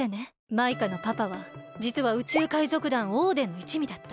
マイカのパパはじつは宇宙海賊団オーデンのいちみだった。